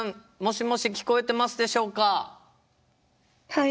はい。